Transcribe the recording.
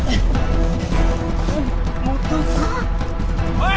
おい！